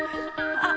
あっ。